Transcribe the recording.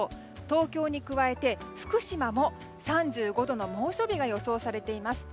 東京に加えて福島も３５度の猛暑日が予想されています。